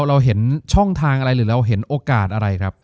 เราเห็นช่องทางอะไรหรือเราเห็นโอกาสอะไรครับ